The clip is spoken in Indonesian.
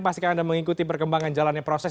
pastikan anda mengikuti perkembangan jalannya proses